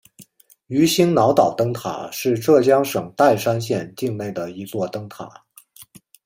鱼腥脑岛灯塔是浙江省岱山县境内的一座灯塔。